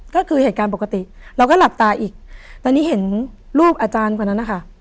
ก็คือเหตุการณ์ปกติเราก็หลับตาอีกตอนนี้เห็นลูกอาจารย์คนนั้นนะคะ